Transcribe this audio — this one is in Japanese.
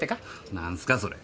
何すかそれ？